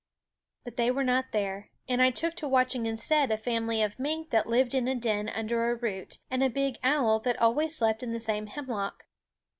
But they were not there; and I took to watching instead a family of mink that lived in a den under a root, and a big owl that always slept in the same hemlock.